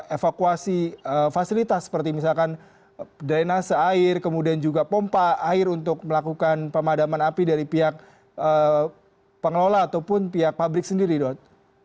evakuasi fasilitas seperti misalkan drainase air kemudian juga pompa air untuk melakukan pemadaman api dari pihak pengelola ataupun pihak pabrik sendiri dok